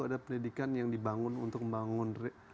ada pendidikan yang dibangun untuk membangun